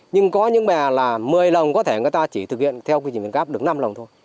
nhưng có những bè là một mươi lồng có thể người ta chỉ thực hiện theo quy trình việt gáp được năm lồng thôi